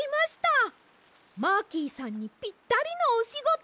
マーキーさんにぴったりのおしごと！